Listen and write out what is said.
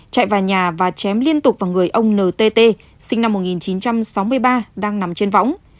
chạy vào nhà và chém liên tục vào người ông ntt sinh năm một nghìn chín trăm sáu mươi ba đang nằm trên võng